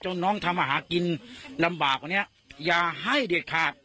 น้องทำอาหารกินลำบากกว่านี้อย่าให้เด็ดขาด